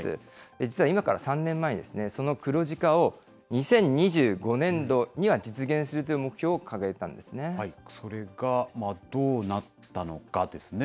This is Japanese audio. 実は今から３年前に、その黒字化を２０２５年度には実現するという目標を掲げてたんでそれがどうなったのかですね。